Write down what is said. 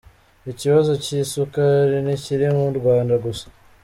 Ikibazo cy’isukari ntikiri mu Rwanda gusa.